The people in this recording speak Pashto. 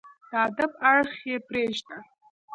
د ادب اړخ يې پرېږده